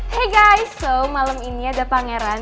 hey guys so malam ini ada pangeran